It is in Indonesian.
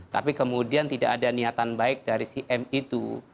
tapi kemudian tidak ada niatan baik dari si m itu